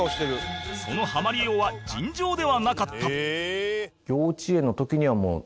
そのハマりようは尋常ではなかった